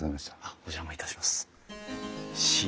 お邪魔いたします。